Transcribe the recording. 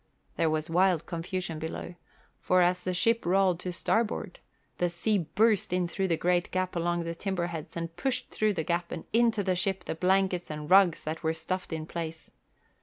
There was wild confusion below, for as the ship rolled to starboard the sea burst in through the great gap along the timber heads and pushed through the gap and into the ship the blankets and rugs that were stuffed in place.